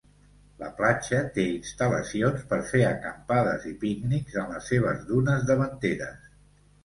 La platja té instal·lacions per fer acampades i pícnics en les seves dunes davanteres.